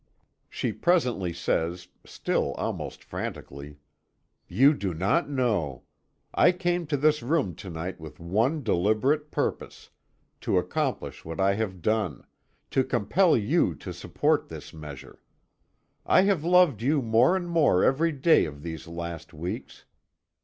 She presently says, still almost frantically: "You do not know! I came to this room to night with one deliberate purpose to accomplish what I have done; to compel you to support this measure. I have loved you more and more every day of these last weeks.